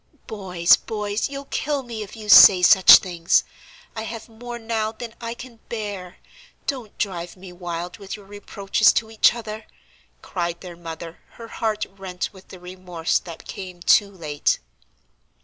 "Boys, boys, you'll kill me if you say such things! I have more now than I can bear. Don't drive me wild with your reproaches to each other!" cried their mother, her heart rent with the remorse that came too late.